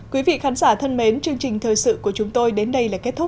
quý vị khán giả thân mến chương trình thời sự của chúng tôi đến đây là kết thúc